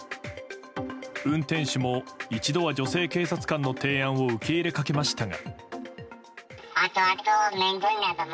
運転手も一度は女性警察官の提案を受け入れかけましたが。